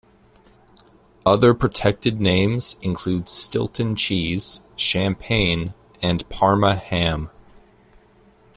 Other protected names include Stilton cheese, Champagne and Parma Ham.